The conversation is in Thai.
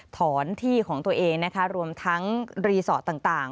ถอนที่ของตัวเองนะคะรวมทั้งรีสอร์ทต่าง